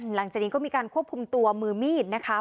หลังจากนี้ก็มีการควบคุมตัวมือมีดนะคะ